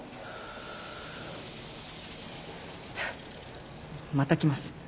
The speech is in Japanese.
ハッまた来ます。